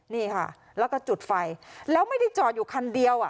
นี่ค่ะแล้วก็จุดไฟแล้วไม่ได้จอดอยู่คันเดียวอ่ะ